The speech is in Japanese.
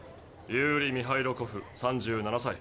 ユーリ・ミハイロコフ３７歳。